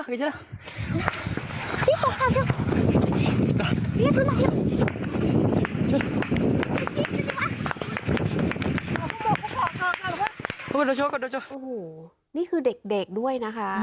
นี่จึงคือเด็กด้วยนะคะ